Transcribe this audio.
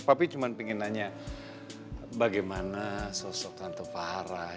papi cuma pengen nanya bagaimana sosok tante farah